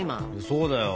そうだよ。